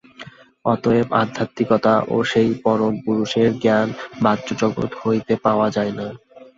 অতএব আধ্যাত্মিকতা ও সেই পরমপুরুষের জ্ঞান বাহ্যজগৎ হইতে পাওয়া যায় না।